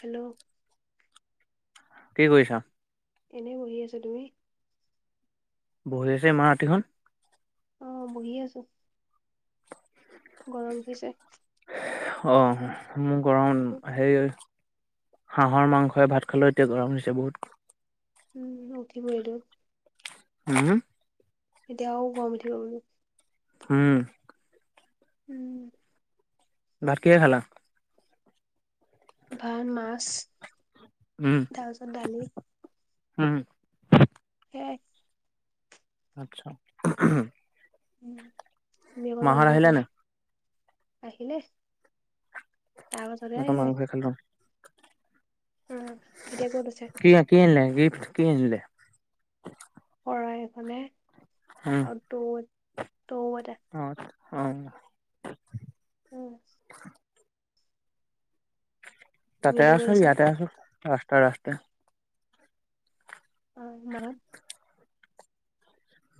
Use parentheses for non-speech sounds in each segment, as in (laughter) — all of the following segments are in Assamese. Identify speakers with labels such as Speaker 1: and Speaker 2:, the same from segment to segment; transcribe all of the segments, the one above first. Speaker 1: হেল্ল'।
Speaker 2: কি কৰিছা?
Speaker 1: এনেই বহি আছোঁ। তুমি?
Speaker 2: বহি আছে ইমান ৰাতিখন।
Speaker 1: অহ বহি আছো। গৰম দিছে।
Speaker 2: অহ মোৰ গৰম সেই হাঁহৰ মাংসই ভাত খালো। এতিয়া গৰম উঠিছে বহুত।
Speaker 1: উম উঠিবইটো।
Speaker 2: উম হো।
Speaker 1: এতিয়া আও গম উঠিব বোলো।
Speaker 2: হম।
Speaker 1: উম।
Speaker 2: ভাত কিহে খালা?
Speaker 1: ভাত মাছ
Speaker 2: উম
Speaker 1: তাৰপিছত দালি।
Speaker 2: উম।
Speaker 1: সেয়াই।
Speaker 2: (unintelligible)
Speaker 1: উম তুমি অকল
Speaker 2: মাহত
Speaker 1: মাংখই
Speaker 2: আহিলে
Speaker 1: খালা
Speaker 2: নাই?
Speaker 1: আহিলে। তাৰপাছতে
Speaker 2: মটন
Speaker 1: আহিলে।
Speaker 2: মাংসই খালো
Speaker 1: অ এতিয়া ক'ত আছে?
Speaker 2: কি কি আনিলে গিফ্ট কি আনিলে?
Speaker 1: শৰাই এখনে
Speaker 2: উম
Speaker 1: আৰু তু তও এটা।
Speaker 2: অহ।
Speaker 1: উম। তুমি
Speaker 2: তাতে
Speaker 1: এতিয়া ক'ত
Speaker 2: আছো
Speaker 1: আছা
Speaker 2: ইয়াতে আছো ৰাস্তাই ৰাস্তাই।
Speaker 1: অ মানে?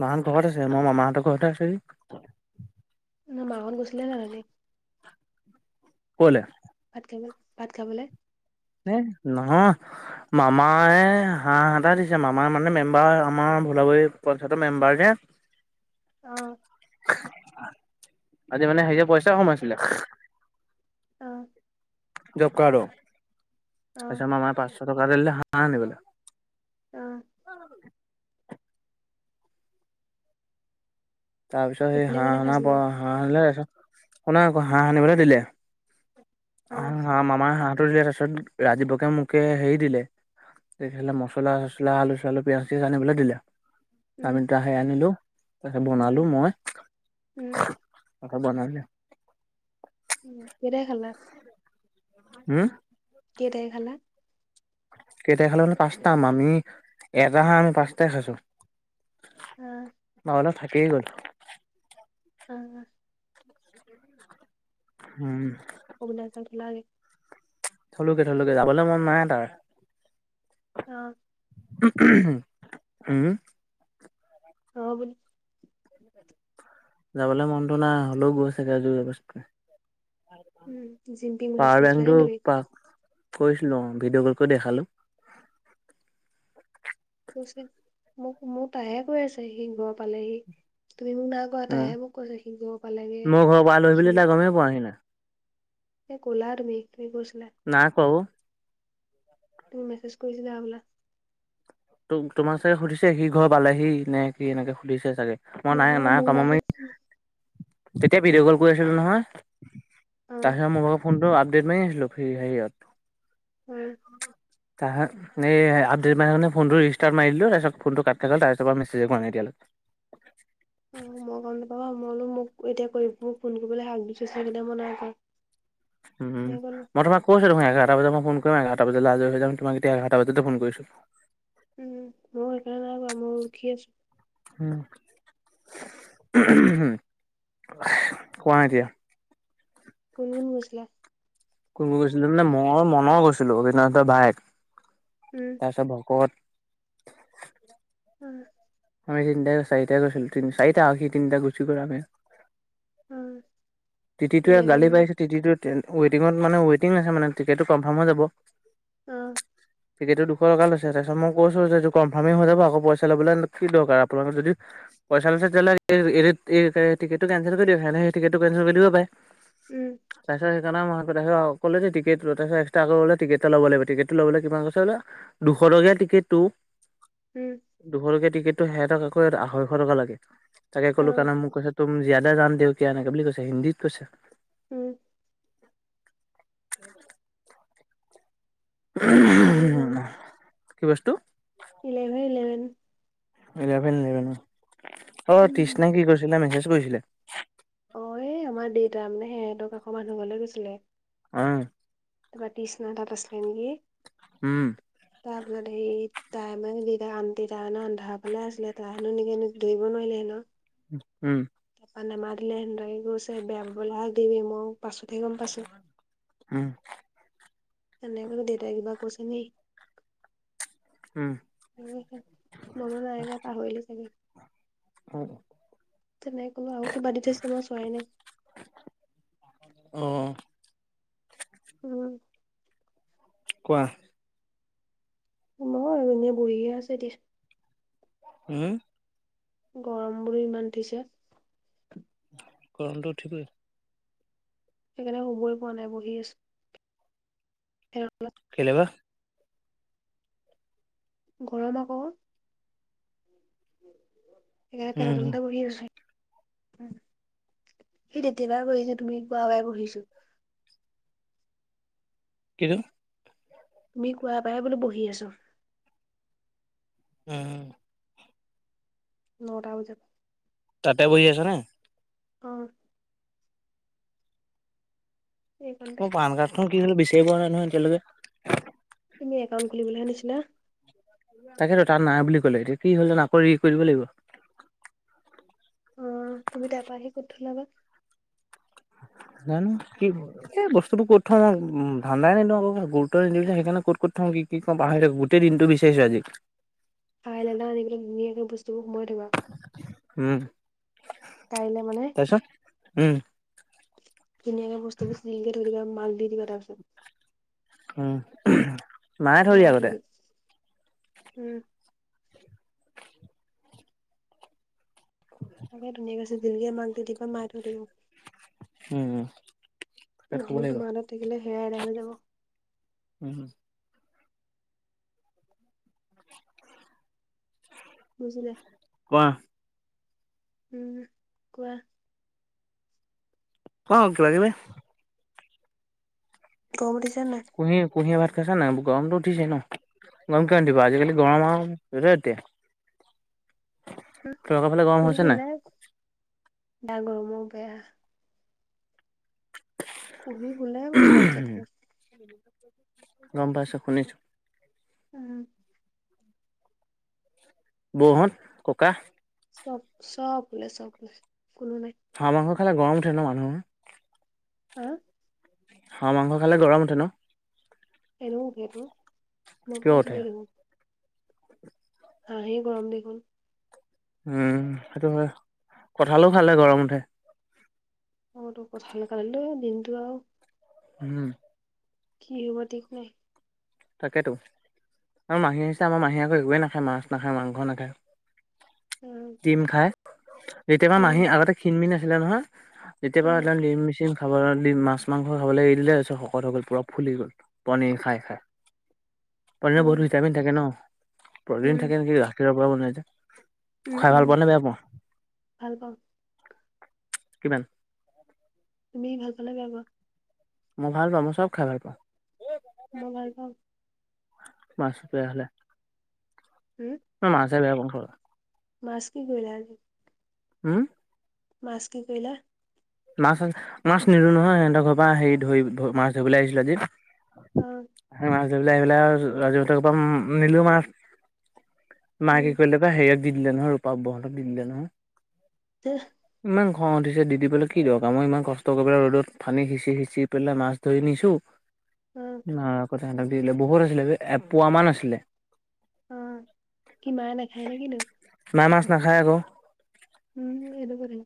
Speaker 2: মাহঁত ঘৰত আছে মই মামাহঁতৰ ঘৰতে আছোহি।
Speaker 1: মা হত গৈচিলে নাই উঠনি?
Speaker 2: ক'লে?
Speaker 1: ভাত ভাত খাবলে।
Speaker 2: এ নহয় মামায় হাঁহ এটা দিছে। মামাৰ মানে মেম্বাৰ আমাৰ ভোলাবাৰি পঞ্চায়তৰ মেম্বাৰ যে
Speaker 1: অহ
Speaker 2: আজি মানে সেই অ পইচা সোমাইছিলে
Speaker 1: অহ
Speaker 2: জবকাৰ্ডৰ
Speaker 1: অ
Speaker 2: তাৰপিছত আমাৰ মাই পাঁচশ টকা দিলে হাঁহ আনিলো।
Speaker 1: অ
Speaker 2: (unintelligible) তাৰ পিছত সেই
Speaker 1: কোনে কোনে
Speaker 2: হাঁহ হান
Speaker 1: খাইছিলে
Speaker 2: হাঁহ আনিলে। শুনা আকৌ হাঁহ আনিবলৈ দিলে
Speaker 1: অ
Speaker 2: আহ হাঁ মামাৰ হাঁহ। দিলে পাৰপিছত ৰাজীৱকে মোকে হেৰি দিলে। এইফালে মচলা- চচলা, আলু-চালু, পিয়াজ- চিয়াজ, আনিবলৈ দিলে
Speaker 1: উম
Speaker 2: আমি তাকে আনিলো। তাৰপিছত
Speaker 1: উম
Speaker 2: বনালো মই
Speaker 1: উম
Speaker 2: আকৌ বনাল।
Speaker 1: উম কেইটা খালা।
Speaker 2: হম
Speaker 1: কেইটাই খালা।
Speaker 2: কেইটাই খালে মানে পাঁচটা আমি এটা হাহ আমি পাঁচটাই খাইছোঁ। আৰু এটা থাকিয়েই গ'ল।
Speaker 1: অ
Speaker 2: উম!
Speaker 1: (unintelligible)
Speaker 2: থলু গেটলকে যাবলৈ মন নাই তাৰ।
Speaker 1: অ
Speaker 2: উম
Speaker 1: অ বুলি
Speaker 2: যাবলৈ মনটো নাই হ'লেও গৈছে আও যোৰযবছ কৈ।
Speaker 1: উম জিম্পি মু গছ কৰিৈছিলা নে তুমি
Speaker 2: কৈছিলো অ ভিডিঅ' কল কৰি দেখালো।
Speaker 1: কৈছে মোক মোৰ তাহে কৈ আছে সি ঘৰ পালেহি তুমি মোক নাইকোৱা
Speaker 2: উম,
Speaker 1: তাইহে মোক কৈছে সি ঘৰ পালেগে
Speaker 2: মোৰ ঘৰৰ পৰা আলহী বুলি
Speaker 1: সি
Speaker 2: তাই গমেই পোৱাহি নাই,
Speaker 1: এ ক'লা তুমি, তুমি কৈছিলা
Speaker 2: নাই কোৱা অ'।
Speaker 1: তুমি মেছেজ কৰিছিলা হ'বলা
Speaker 2: ত তোমাৰ চাগে সুধিছে সি ঘৰ পালেহি নে কি এনেকে সুধিছে চাগে মই নাই
Speaker 1: নহয়
Speaker 2: নাই
Speaker 1: মোক
Speaker 2: কমামি।
Speaker 1: কোৱা।
Speaker 2: তেতিয়া ভিডিঅ' কল কৰি আছিলো নহয়,
Speaker 1: অ
Speaker 2: তাৰ পিছত মোৰ ভৰ ফোনটো ডেট মাৰি আছিলো ফ্ৰি হেৰিয়ত
Speaker 1: অ
Speaker 2: আহা এই আপডেট মান ফোনটো ৰিষ্টাৰ্ মাৰি দিলো তাৰপিছত ফোনটো কাট থাকিলল তাৰপিছৰ পৰা মেছেজ কৰা নাই
Speaker 1: অ
Speaker 2: এতিয়ালৈক
Speaker 1: মই গম নাপাও মই কলো মোক এতিয়া কৰিব মোক ফোন কৰিবলৈ হাক দিছো চকেইটা মই নাই।
Speaker 2: উম
Speaker 1: নাই কৰা
Speaker 2: মই তোমাক কৈছিলোঁ ৰ এঘাৰটা বজাত মই ফোন কৰিম এঘাৰটা বজাত লাহাজ হৈ যাম তোমাৰ এতিয়া এঘাৰটা বজাতে ফোন কৰিছোঁ
Speaker 1: উম মই কাৰণব মই উখি আছো
Speaker 2: উম কোৱা এতিয়া।
Speaker 1: কোন কোন গৈছিলা।
Speaker 2: কোন গৈছিলো মানে মই মনৰ গৈছিলো ৰবীদ্ৰনাথৰ ভায়েক।
Speaker 1: উম
Speaker 2: তাৰপিছত ভকত,
Speaker 1: উম!
Speaker 2: আমি তিনিটা চাৰিটা গৈছিলোঁ তি চাৰিটা আ সি তিনিটা ঘুচি গল আমি
Speaker 1: উম!
Speaker 2: টিটিটো গালি পাৰিছে টিটিটো ৱটিঙত মানে ৱেটিং আছে মানে টিকেটটো কনফাৰ্ম হৈ যাব।
Speaker 1: অহ
Speaker 2: টিকেটটো দুশ টকা লৈছে তাৰপিছ মই কৈছো যে এইটো কনফাৰ্মেই হৈ যাব আকৌ পইচা ল'বলৈ কি দৰকাৰ আপোনালোকৰ যদি পইচা লৈছে তেতিয়াহলে এই (unintelligible) টিকটটো কেনচেল কৰি দে ক এই টিকেটো কেনচেল কৰি
Speaker 1: উম
Speaker 2: জানা হে আও কলে যে টিকেট দুটাহে এক্সটা আছে বোলে টিকেটতো লব লাগিব টিকট টো লবলে কিমান লৈছে হেনো দুশ (unintelligible) টিকেটতো দুশ টকীয়া টিকেটতো সেসতক আকৌ আঢ়ৈশ টকা লাগে। তাকে ক'লো কেলা মোক কৈছে তুম জিয়াদা জান তে হৌ কিয়া এনেকে বুলি কৈছে হিন্দীত কৈছে
Speaker 1: উম।
Speaker 2: উম
Speaker 1: কি লাগে বাও
Speaker 2: কি বস্তু
Speaker 1: ইলেভেন ইলেভেন
Speaker 2: ইলেভেন ইলেভেন অ অ তৃষ্ণাই কি কৰিছিলে মেছেজ কৰিছিলে
Speaker 1: অ এ আমাৰ দেউতা মানে সিহঁতক কাষ মানুহ ঘলে গৈছিলে
Speaker 2: অহ
Speaker 1: তাপা তৃষ্ণাহতত আছিলে নেকি
Speaker 2: উম।
Speaker 1: তাৰ পিছত সি তাই মানে দেউতাক আণ্টি তাই আন্ধাৰ ফালে আছিলে তাই হেনো নেকি ধৰিব নোৱাৰিলে হেনো
Speaker 2: উম
Speaker 1: তাপা নেমাতিলে হেনো তাকে কৈছে বেয়া পাবলে হাক দিবি মোক মই পাছতহে গম পাইছো
Speaker 2: উম
Speaker 1: তেনেকে দেউতাই কিবা কৈছে নি
Speaker 2: উম
Speaker 1: মই বোলো নাইকোৱা পাহৰিলে চাগে
Speaker 2: (unintelligible)
Speaker 1: তেনেকে কলো আও কিবা দি থৈছে মই চোৱাই নাই
Speaker 2: অ
Speaker 1: উম
Speaker 2: কোৱা
Speaker 1: নহয় এনে বুঢ়ীহে আছে দিয়াচো
Speaker 2: উম।
Speaker 1: গৰম বুলি ইমান উঠিছে।
Speaker 2: গৰমটো ঠিকেই।
Speaker 1: সেইকাৰণে শুবই পোৱা নাই বহি আছো। ফেন
Speaker 2: কেলেবা
Speaker 1: গৰম আকৌ। সেয়াই ফেনৰ
Speaker 2: উম
Speaker 1: তলতে বহি আছো। সেই তেতিপাই বহিছো তুমি বাবাই বহিছো
Speaker 2: কিটো
Speaker 1: তুমি কোৱা পাই বোলো বহি আছো।
Speaker 2: উম
Speaker 1: নটা বজাত।
Speaker 2: তাতে বহি আছ নে
Speaker 1: অ এইকণতে
Speaker 2: মই পান কাৰ্ড খন কি হ'ল বিচাৰি পোৱা নাই নহয় এতিয়ালৈকে।
Speaker 1: তুমি একাউণ্ট খুলিবলৈহে নিছিলা
Speaker 2: তাকেতো তাত নাই বুলি কলে এতিয়া কি হ'ল জানো আকৌ ৰি কৰি দিব লাগিব।
Speaker 1: অহ তুমি তাৰপা আহি ক'ত থলা বা
Speaker 2: উ জানো কি এই বস্তুবোৰ ক'ত থওঁ ধান্দাই নিদিও আকৌ গুৰুত্ব নিদিও যে সেইকাৰণে ক'ত ক'ত থও কি কি থও পাহৰি থাকো গোটেই দিনটো বিচাৰিছো আজি।
Speaker 1: মৰি থাকিবা।
Speaker 2: উম
Speaker 1: কাইলৈ মানে
Speaker 2: তাৰপিছত উম
Speaker 1: ধুনীয়াকে বস্তুবোৰ চিজিলকে থৈ দিবা মাক দি দিবা তাৰপিছত
Speaker 2: উম মায়ে থৈ দিয়ে আগতে
Speaker 1: উম তাকে ধুনুয়ে কৈছে মাক দি দিলে মায়ে ধুই দিব
Speaker 2: উম তাত শুব
Speaker 1: নহ'লে
Speaker 2: লাগিব।
Speaker 1: তোমাৰ লগত থাকিলে হেআ এদাই হৈ যাব।
Speaker 2: উম
Speaker 1: বুজিলে
Speaker 2: কোৱা,
Speaker 1: উম, কোৱা।
Speaker 2: খাওঁ কিবা কিবি।
Speaker 1: গৰম উঠিছে নাই?
Speaker 2: কুঁহিয়ে ভাত খাইছে নাই? গৰমতো উঠিছে ন। গৰম কিয় নুঠিব আজিকালি গৰম আও যেতিয়া তেতিয়া
Speaker 1: উম,
Speaker 2: তহঁতৰ ফালে গৰম হৈছে নাই?
Speaker 1: এতিয়া গৰমত বেয়া কুঁহি শুলে বোলো ভাত চাত খাই।
Speaker 2: গম পাইছোঁ। শুনিছোঁ।
Speaker 1: উম
Speaker 2: বৌহঁত, ককা?
Speaker 1: চব চব শুলে চব শুলে কোনো নাই।
Speaker 2: হে গৰম উঠে ন মানুহৰ
Speaker 1: হা
Speaker 2: হাঁহ মাংস খালে গৰম উঠে ন?
Speaker 1: এনেও সেইটো লগ
Speaker 2: কিয় উঠে?
Speaker 1: কৰিছিলেহি মোক হাঁহেই গৰম দেখোন।
Speaker 2: উম, সেইটো হয়। কঠালো খালো গৰম উঠে।
Speaker 1: অ তু কঠাল খালেতু দিনটো আও
Speaker 2: উম
Speaker 1: কি হ'ব ঠিক নাই।
Speaker 2: তাকেতো আমাৰৰ মাহী আহিছে আমাৰ মাহী আক একোৱেই নাখায় মাছ, নাখায় মাংস নাখায়।
Speaker 1: উম
Speaker 2: ডিম খাই যেতিয়াবা
Speaker 1: উম
Speaker 2: মাহী আগতে খিনমিন আছিলে নহয়।
Speaker 1: অ
Speaker 2: যেতিয়াবা এডাল ডিম মেচিন খাবলৈ ডিম মাছ মাংস খাবলৈ এৰি দিলে তাৰপিছত শকত হৈ গ'ল পুৰা ফুলি গ'ল পণিৰ খাই খাই।
Speaker 1: অ
Speaker 2: পণিৰত বহুত ভিটামিন থাকে ন। প্ৰ'টিন
Speaker 1: উম
Speaker 2: থাকে নেকি গাখীৰৰ পৰা বনাই যে
Speaker 1: উম,
Speaker 2: খাই ভাল
Speaker 1: উম
Speaker 2: পোৱা নে বেয়া পাওঁ
Speaker 1: ভাল পাওঁ।
Speaker 2: কিমান?
Speaker 1: তুমি ভাল পোৱা নে বেয়া পোৱা?
Speaker 2: মই ভাল পাওঁ মই চব খাই ভাল পাওঁ।
Speaker 1: মই ভাল পাওঁ
Speaker 2: মাছ বেয়া হ'লে
Speaker 1: উম
Speaker 2: মই মাছহে বেয়া পাওঁ খাবলে
Speaker 1: মাছ কি কৰিলা আজি?
Speaker 2: হম
Speaker 1: মাছ কি কৰিলা?
Speaker 2: মাছ মাছ নিলো নহয়। সিহঁতৰ ঘৰৰ পৰা হেৰি ধৰি মাছ ধৰিবলৈ আহিছিলো আজি।
Speaker 1: অ
Speaker 2: মাছ ধৰি আহি পেলাই ৰাজু হঁতৰ ঘৰৰ পৰা নিলো মাছ। মাকে
Speaker 1: উম
Speaker 2: কি কৰিলে বা হেৰিয়ক দি দিলে নহয় ৰূপা বৌহঁতক দি দিলে নহয়।
Speaker 1: (unintelligible)
Speaker 2: অ' দিছে দি দি দিবলে কি দৰকাৰ মই ইমান কষ্ট কৰি পেলাই ৰ'দত পানী সিঁচি সিঁচি পেলাই মাছ ধৰি নিছো।
Speaker 1: অ
Speaker 2: মায়ে আকৌ তাহঁতক দি দিলে বহুত আছিলে বে এপুৱা মান আছিলে।
Speaker 1: উম' কি মায়ে নাখায় নে কিনো?
Speaker 2: মায়ে মাছ নাখায় আক।
Speaker 1: উম সেইটো গতি।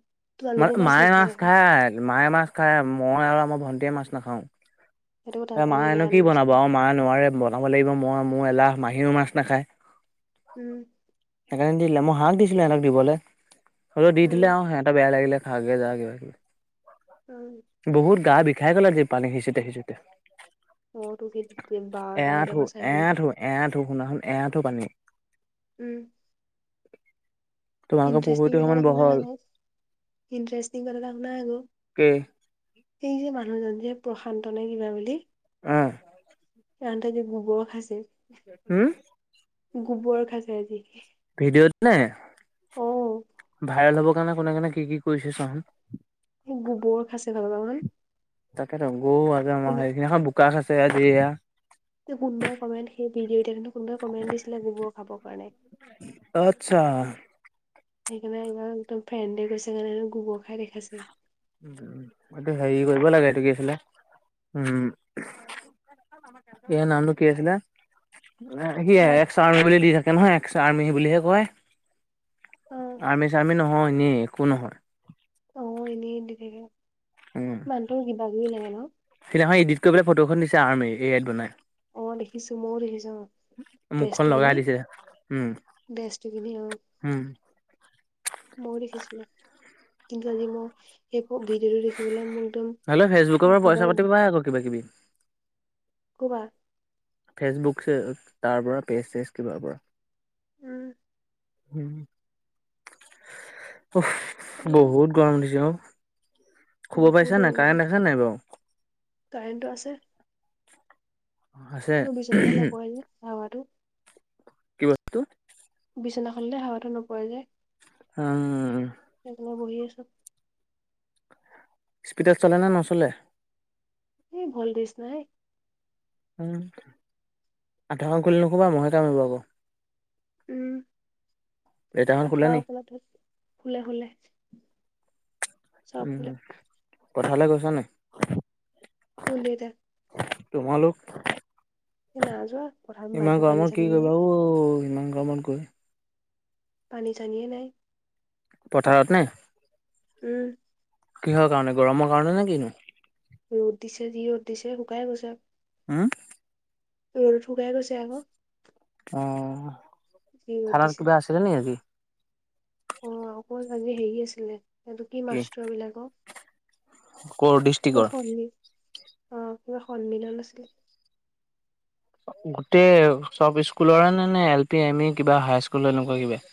Speaker 2: মানে মায়ে মাছ খায়, মায়ে মাছ খায়। মই আৰু আমাৰ ভন্টীয়ে মাছ নাখাওঁ।
Speaker 1: সেইটো কথা
Speaker 2: এ
Speaker 1: আকৌ এনেই
Speaker 2: মায়েনো
Speaker 1: বেয়া
Speaker 2: কি
Speaker 1: নষ্ট।
Speaker 2: বনাব আৰু মায়ে নোৱাৰে বনাব। বনাব লাগিব মই মোৰ এলাহ মাহীও মাছ নাখায়
Speaker 1: উম
Speaker 2: সেইকাৰণে দি দিলে মই হাক দিছিলো সিহঁতক দিবলৈ হলেও দি দিলে
Speaker 1: উম,
Speaker 2: আৰু হেহতৰ বেয়া লাগিলে আগে জা
Speaker 1: উম।
Speaker 2: (unintelligible) বহুত গা বিষাই গল আৰু যি পানী সিঁচোতে সিঁচোতে
Speaker 1: মইতো সেই তেতিয়া বাৰটা
Speaker 2: এয়া
Speaker 1: বজাৰ
Speaker 2: থো
Speaker 1: পৰা চাৰে
Speaker 2: এয়া
Speaker 1: তিনটা।
Speaker 2: থো এয়া থো শুনা শোন এৰাঠো পানী
Speaker 1: উম
Speaker 2: তোমালোকৰ
Speaker 1: ইণ্টাৰেষ্টিং
Speaker 2: পুখুৰীটো
Speaker 1: কথা
Speaker 2: সমান
Speaker 1: এটা শুনা
Speaker 2: বহল
Speaker 1: আক ইণ্টাৰেষ্টিং কথা এটা শুনা আক
Speaker 2: কেই
Speaker 1: এই যে মানুহজন যে প্ৰশান্ত নে কিবা বুলি
Speaker 2: উহ
Speaker 1: (unintelligible)
Speaker 2: উম
Speaker 1: গোবৰ খাইছে আজি
Speaker 2: ভিডিঅ'টো নে
Speaker 1: অ',
Speaker 2: ভাইৰেল হ'বৰ কাৰণে কোনে কোনে কাৰণে কি কি কৰিছে চাচোন
Speaker 1: এই গোবৰ খাছে ভাল (unintelligible)
Speaker 2: তাকে ৰ গৌ আৰু আমাৰ সেইখিনি এখন বোকা খ আছে আজিয়া
Speaker 1: কোনোবাই কমেণ্ট সেই ভিডিঅ' এতিয়া কিন্তু কোনোবাই কমেণ্ট দিছিলে গবোৰ খাবৰ কাৰণে
Speaker 2: আত্ছা
Speaker 1: সেইকাৰণে এবাৰ একদম ফ্ৰেণ্ডে গৈছে সেইকাৰণে গোবৰ খাই দেখাইছে
Speaker 2: উ এইটো হেৰি কৰিব লাগে সটো কি আছিলে উম ইয়াৰ নামটো কি আছিলে
Speaker 1: অ',
Speaker 2: স এক বুলি দি থাকে নহয় আৰ্মি বুলিহে কয়
Speaker 1: অ',
Speaker 2: আৰ্মি চাৰ্মি নহয় হি এনে একো নহয়।
Speaker 1: অ', দি থাক
Speaker 2: উম হিদিনাখন এডিট কৰিবেলাই ফটোখন দিছে আৰ্মি এই আত বনাই
Speaker 1: অ দেখিছো মইও দেখিছো
Speaker 2: মুখখন
Speaker 1: দেচটো
Speaker 2: লগাই
Speaker 1: পিন্ধি
Speaker 2: দিছে। উম,
Speaker 1: দেচটো পিন্ধি অহ
Speaker 2: উম,
Speaker 1: ময়ো দেখিছিলো কিন্তু আজি মই সেই ভিডিঅ'টো দেখি পেলাই মোৰ একদম
Speaker 2: হলে ফেচবুকৰ পৰা
Speaker 1: কিবা
Speaker 2: পইচা পাতি পায় আক কিবা কিবি
Speaker 1: কোৱা
Speaker 2: ফেচবুক চে তাৰ পৰা পেজ চেজ কিবা পৰা
Speaker 1: উম
Speaker 2: উ অ বহুত গৰম উঠছে অ শুব পাৰিছা
Speaker 1: বহুতো
Speaker 2: নাই কাৰেণ্ট আছে নাই বাৰু
Speaker 1: কাৰেণ্টো আছে মোৰ বিচনাতে
Speaker 2: আছে।
Speaker 1: নপৰে যে হাৱাটো
Speaker 2: কি বস্তু
Speaker 1: বিচনাখনলে হাৱাটো নপয় যে
Speaker 2: উম
Speaker 1: সেইফালে বহি আছো
Speaker 2: স্পীডত চলে নে নচলে
Speaker 1: এই ভল তেছ নাই
Speaker 2: উম আঠুৱাখন খুলি নুশুবা মহে কামিব আক
Speaker 1: উম
Speaker 2: দেউতাহঁত শুলে
Speaker 1: আঠুৱা
Speaker 2: নি
Speaker 1: পেল খুলে শুলে শুলে চকলৈট
Speaker 2: পথাৰলে গৈছা নাই
Speaker 1: কোন দেউতা
Speaker 2: তোমালোক
Speaker 1: এই না যোৱা পথাৰত একো
Speaker 2: ইমান
Speaker 1: পানী
Speaker 2: গৰমত
Speaker 1: চানী
Speaker 2: কি
Speaker 1: নাই
Speaker 2: কৰিবা অও ইমান গৰমত গৈ
Speaker 1: পানী চানিয়ে নাই
Speaker 2: পথাৰত নে
Speaker 1: উম
Speaker 2: কিহৰ কাৰণে গৰমৰ কাৰণে নে কিনো
Speaker 1: ৰ'দ দিছে যি ৰ'দ দিছে শুকাই গৈছে
Speaker 2: হু
Speaker 1: ৰ'দ শুকাই গৈছে আকৌ
Speaker 2: অ
Speaker 1: যি ৰ'দ
Speaker 2: খানাত
Speaker 1: দিছে
Speaker 2: কিবা আছিলে নি আজি
Speaker 1: অ অকল আজি হেৰি আছিলে হেটো কি মাছ ধৰা বিলাকক
Speaker 2: ক'ৰ ডিষ্ট্ৰিকৰ
Speaker 1: অহ কিবা সন্মিলন আছিলে
Speaker 2: গোটেই চব স্কুলৰে নে নে এল পি এম ই কিবা হাই স্কুল এনেকুৱা কিবা (inaudible)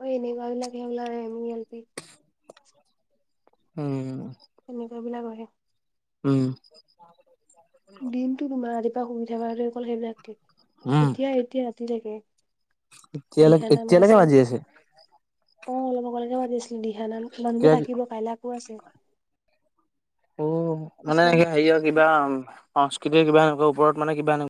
Speaker 1: অ এনেকুৱা বিলাক সেইবিলাক এল পি এমি
Speaker 2: উম
Speaker 1: তেনেকুৱা বিলাক আহে
Speaker 2: উম
Speaker 1: দিনতটো তোমাৰ ৰাতিপুৱা উঠা পা অকল সেইবিলাকে এতিয়া এতিয়া ৰাতিলৈকে
Speaker 2: এতিয়ালে
Speaker 1: দিহা নাম
Speaker 2: এতিয়ালৈকে
Speaker 1: গাইছে
Speaker 2: বাজি আছে
Speaker 1: অ অলপ আগলেকে মাতিছিলে দিহানাম
Speaker 2: কিবা
Speaker 1: মানুহবোৰ থাকিব কাইলে আকৌ আছে
Speaker 2: উ মানে হেৰিয়
Speaker 1: কিছুমান
Speaker 2: কিবা সংস্কৃতিৰ কিবা এনেকুৱা ওপৰত মানে কিবা এনে